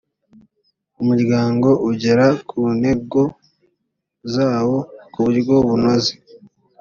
umuryango ugera ku ntego zawo ku buryo bunoze